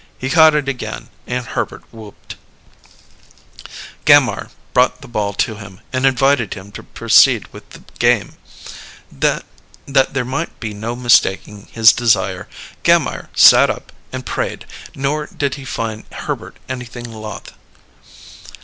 He caught it again, and Herbert whooped. Gammire brought the ball to him and invited him to proceed with the game. That there might be no mistaking his desire, Gammire "sat up" and prayed; nor did he find Herbert anything loth.